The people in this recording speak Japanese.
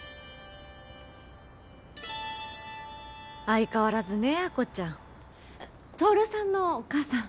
相変わらずね亜子ちゃん。あっトオルさんのお母さん。